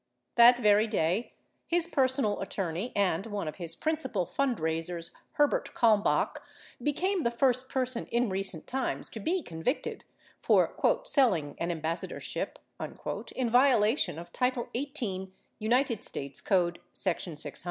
That very day, his personal attorney and one of his principal fundraisers, Herbert Kalmbach, became the first person in recent times to be convicted for "selling an ambassadorship," in violation of title 18, United States Code, section 600.